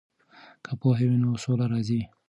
که پوهه وي نو سوله راځي.